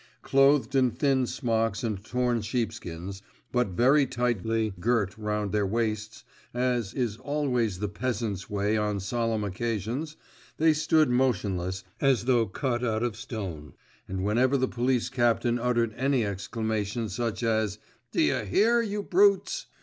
Clothed in thin smocks and torn sheepskins, but very tightly girt round their waists, as is always the peasants' way on solemn occasions, they stood motionless as though cut out of stone, and whenever the police captain uttered any exclamation such as, 'D'ye hear, you brutes?